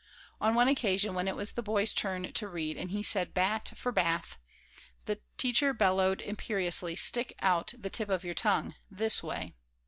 On one occasion, when it was the boy's turn to read and he said "bat" for "bath," the teacher bellowed, imperiously: "Stick out the tip of your tongue! This way."